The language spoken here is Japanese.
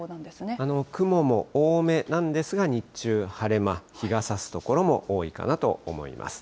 雲も多めなんですが、日中、晴れ間、日がさす所も多いかなと思います。